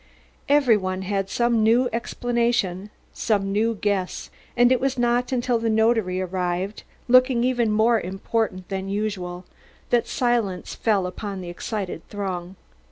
Everyone had some new explanation, some new guess, and it was not until the notary arrived, looking even more important than usual, that silence fell upon the excited throng.